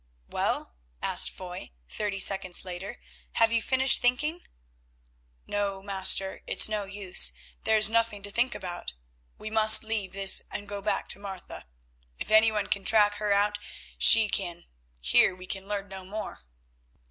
"Well," asked Foy thirty seconds later, "have you finished thinking?" "No, master, it's no use, there is nothing to think about. We must leave this and go back to Martha. If anyone can track her out she can. Here we can learn no more."